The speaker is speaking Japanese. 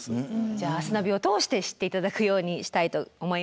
じゃあ「明日ナビ」を通して知っていただくようにしたいと思います。